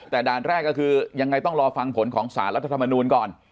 แต่ด่านแรกก็คือยังไงต้องรอฟังผลของสารรัฐธรรมนูลก่อน